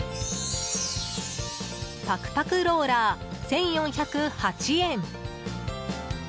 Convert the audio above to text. ぱくぱくローラー、１４０８円。